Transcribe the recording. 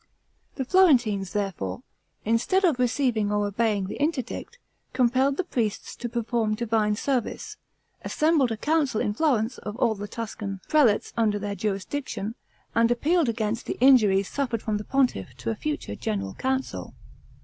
The Florentines, therefore, instead of receiving or obeying the interdict, compelled the priests to perform divine service, assembled a council in Florence of all the Tuscan prelates under their jurisdiction, and appealed against the injuries suffered from the pontiff to a future general council.